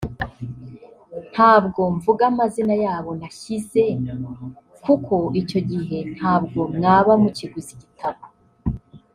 ntabwo mvuga amazina y’abo nashyize kuko icyo gihe ntabwo mwaba mukiguze igitabo